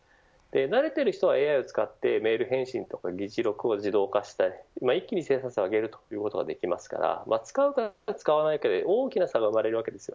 慣れている人はＡＩを使ってメール返信とか議事録を自動化したりして一気に生産性を上げることができますから使うか使わないかで大きな差が生まれてしまいます。